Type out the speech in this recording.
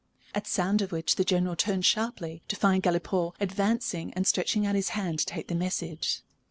At sound of which the General turned sharply, to find Galipaud advancing and stretching out his hand to take the message.